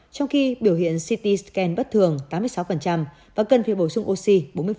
trong khi biểu hiện ct scan bất thường tám mươi sáu và cân phía bổ sung oxy bốn mươi